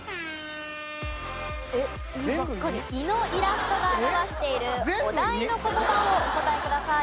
胃のイラストが表しているお題の言葉をお答えください。